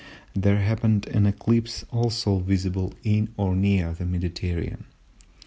there happened an eclipse, also visible in or near the Mediterranean.